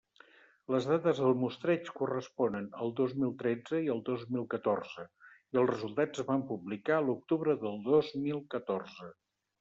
Les dades del mostreig corresponen al dos mil tretze i al dos mil catorze i els resultats es van publicar l'octubre del dos mil catorze.